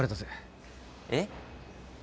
えっ？